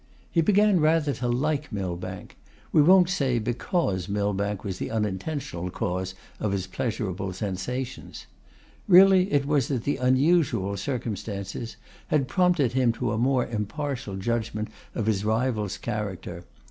He began rather to like Millbank; we will not say because Millbank was the unintentional cause of his pleasurable sensations. Really it was that the unusual circumstances had prompted him to a more impartial judgment of his rival's character.